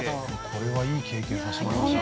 ◆これは、いい経験させてもらいました。